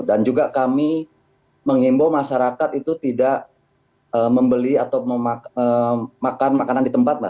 dan juga kami menghimbau masyarakat itu tidak membeli atau makan makanan di tempat